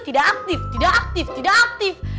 tidak aktif tidak aktif tidak aktif